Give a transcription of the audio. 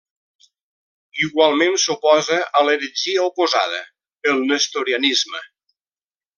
Igualment s'oposa a l'heretgia oposada, el nestorianisme.